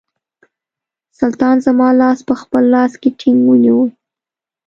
سلطان زما لاس په خپل لاس کې ټینګ ونیوی.